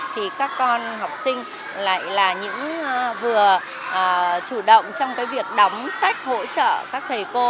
thì các con học sinh lại là những vừa chủ động trong cái việc đóng sách hỗ trợ các thầy cô